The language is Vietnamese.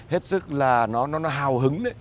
hết sức là nó hào hứng đấy